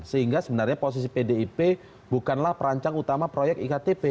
sehingga sebenarnya posisi pdip bukanlah perancang utama proyek iktp